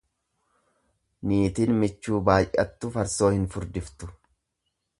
Niitin michuu baay'attu farsoo hin furdiftu.